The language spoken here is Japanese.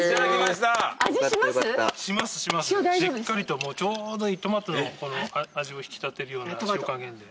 しっかりとちょうどいいトマトの味を引き立てるような塩加減で。